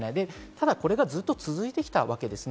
ただ、これがずっと続いてきたわけです。